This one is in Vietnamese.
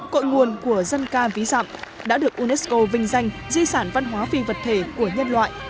cội nguồn của dân ca ví dặm đã được unesco vinh danh di sản văn hóa phi vật thể của nhân loại